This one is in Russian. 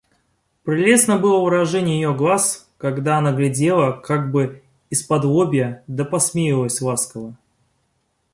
Прелестно было выражение ее глаз, когда она глядела как бы исподлобья да посмеивалась ласково.